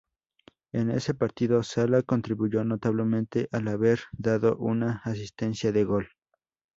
En ese partido, Sala contribuyó notablemente, al haber dado una asistencia de gol.